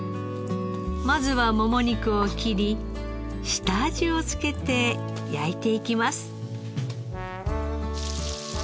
まずはもも肉を切り下味をつけて焼いていきます。